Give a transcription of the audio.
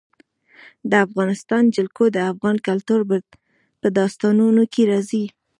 د افغانستان جلکو د افغان کلتور په داستانونو کې راځي.